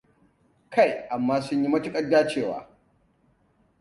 Kai, amma sun yi matuƙar dacewa.